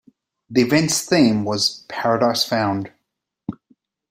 The event's theme was "Paradise Found".